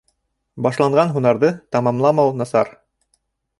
— Башланған һунарҙы тамамламау насар...